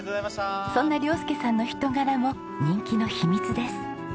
そんな亮佑さんの人柄も人気の秘密です。